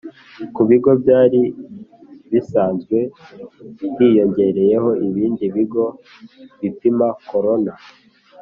Ku bigo byari bisanzwe hiyongereyeho ibindi bigo bipima corona